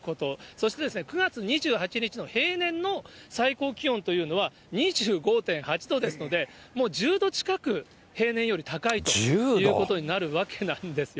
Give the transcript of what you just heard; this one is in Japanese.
そして、９月２８日の平年の最高気温というのは、２５．８度ですので、もう１０度近く平年より高いということになるわけなんですよ。